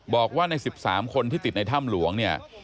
บอกว่าใน๑๓คนที่ติดในถ้ำหลวงเนี่ย